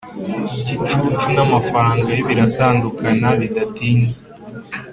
igicucu n'amafaranga ye biratandukana bidatinze.